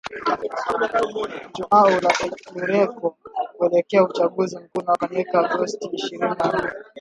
Joao Lourenco kuelekea uchaguzi mkuu unaofanyika Agosti ishirini na nne